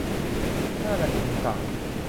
ห้านาทีถึงสาม